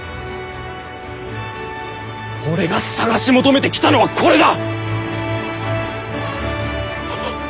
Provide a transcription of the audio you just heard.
俺が探し求めてきたのはこれだ！